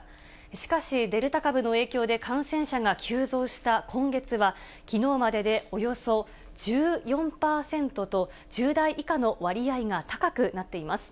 しかし、デルタ株の影響で感染者が急増した今月は、きのうまででおよそ１４％と、１０代以下の割合が高くなっています。